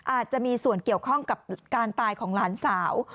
อาจจะมีส่วนเกี่ยวข้องกับการตายของหลานสาว